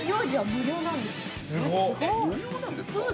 ◆無料なんですか？